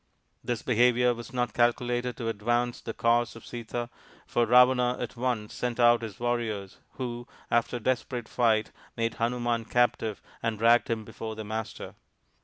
This behaviour was not calculated to advance the cause of Sita, for Ravana at once sent out his warriors, who, after a desperate fight, made Hanuman captive and dragged him before their master.